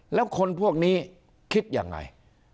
แล้วคนพวกนี้คิดยังไง